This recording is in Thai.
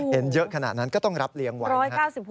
เห็นเยอะขนาดนั้นก็ต้องรับเลี้ยงไว้